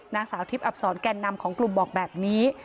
นางสาวทิพย์อับสอนแก่นนำของกลุ่มบอกแบบนี้